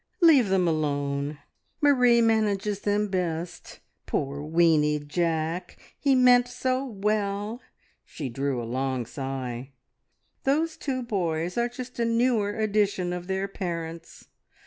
"Leave them alone; Marie manages them best. Poor, weeny Jack! He meant so well!" She drew a long sigh. "Those two boys are just a newer edition of their parents.